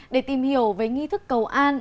để tìm hiểu về nghi thức cầu an